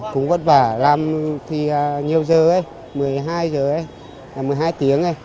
cũng vất vả làm thì nhiều giờ ấy một mươi hai giờ ấy một mươi hai tiếng ấy